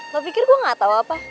aku pikir gue gak tau apa